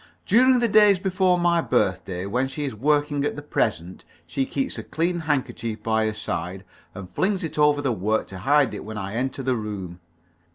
During the days before my birthday, when she is working at the present, she keeps a clean handkerchief by her side, and flings it over the work to hide it when I enter the room.